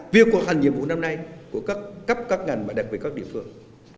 việc hoạt hành nhiệm vụ năm nay của các cấp các ngành đặc biệt các địa phương